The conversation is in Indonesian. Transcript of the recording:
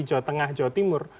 jawa tengah jawa timur